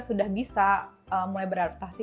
sudah bisa mulai beradaptasi